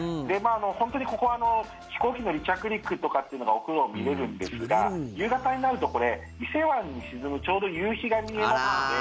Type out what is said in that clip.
本当にここ飛行機の離着陸とかっていうのがお風呂、見れるんですが夕方になるとこれ、伊勢湾に沈むちょうど夕日が見えますので。